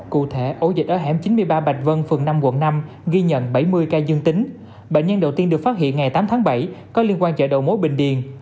cụ thể ổ dịch ở hẻm chín mươi ba bạch vân phường năm quận năm ghi nhận bảy mươi ca dương tính bệnh nhân đầu tiên được phát hiện ngày tám tháng bảy có liên quan chợ đầu mối bình điền